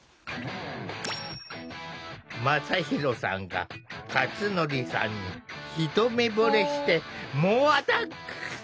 まさひろさんがかつのりさんに一目ぼれして猛アタック！